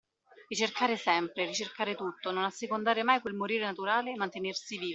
Ricercare sempre, ricercare tutto, non assecondare mai quel morire naturale, mantenersi vivi.